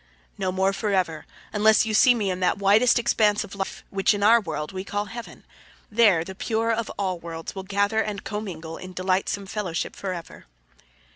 "No more forever, unless you see me in that widest expanse of life which in our world we call Heaven. There the pure of all worlds will gather and commingle in delightsome fellowship forever."